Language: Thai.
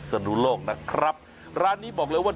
สนุโลกนะครับร้านนี้บอกเลยว่า